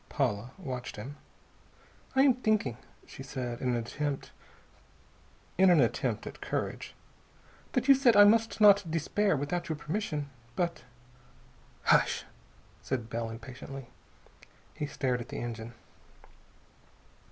Paula watched him. "I am thinking," she said in an attempt at courage, "that you said I must not despair without your permission. But " "Hush!" said Bell impatiently. He stared at the engine.